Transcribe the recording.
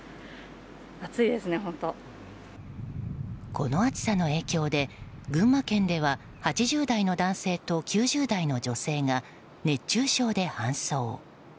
この暑さの影響で群馬県では８０代の男性と９０代の女性が熱中症で搬送。